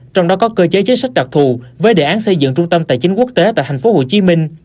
trong đó có cơ chế chính sách đặc thù với đề án xây dựng trung tâm tài chính quốc tế tại tp hcm